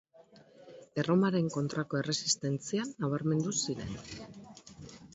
Erromaren kontrako erresistentzian nabarmendu ziren.